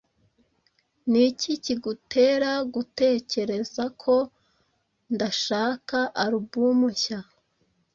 Niki kigutera gutekereza ko nshaka album nshya?